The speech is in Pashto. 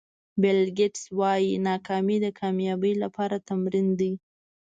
بیل ګېټس وایي ناکامي د کامیابۍ لپاره تمرین دی.